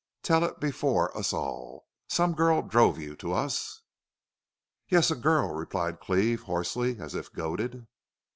Tell it before us all!... Some girl drove you to us?" "Yes a girl!" replied Cleve, hoarsely, as if goaded.